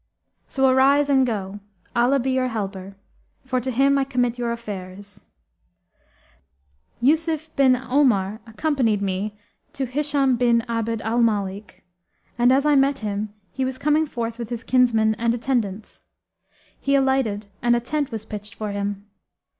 [FN#294] So arise and go, Allah be your helper, for to Him I commit your affairs!' Khálid bin Safwán[FN#295] said, 'Yúsuf bin Omar[FN#296] accompanied me to Hishám bin Abd al Malik,[FN#297] and as I met him he was coming forth with his kinsmen and attendants. He alighted and a tent was pitched for him.